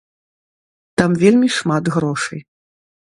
Там вельмі шмат грошай.